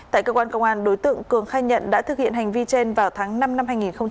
tại cơ quan công an đối tượng cường khai nhận đã thực hiện hành vi trên vào tháng năm năm hai nghìn hai mươi ba